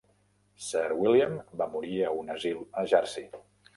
Sir William va morir a un asil a Jersey.